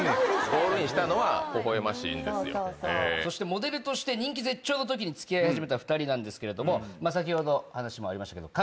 モデルとして人気絶頂のときに付き合い始めた２人なんですけれども先ほど話もありましたけど。